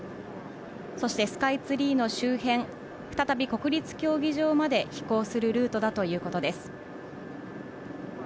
そしてスカイツリーの周辺、再び国立競技場まで飛行するルートだということです。